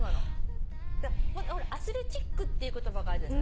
「アスレチック」っていう言葉があるじゃないですか。